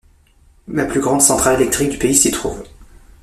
La plus grande centrale électrique du pays s'y trouve.